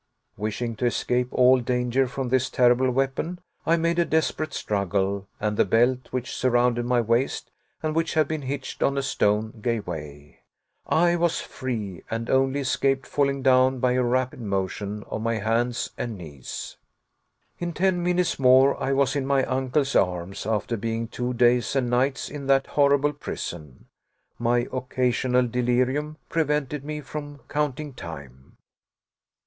Wishing to escape all danger from this terrible weapon I made a desperate struggle, and the belt, which surrounded my waist and which had been hitched on a stone, gave way. I was free, and only escaped falling down by a rapid motion of my hands and knees. In ten minutes more I was in my uncle's arms, after being two days and nights in that horrible prison. My occasional delirium prevented me from counting time.